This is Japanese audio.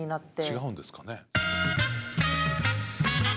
違うんですかね。